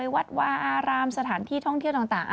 วัดวาอารามสถานที่ท่องเที่ยวต่าง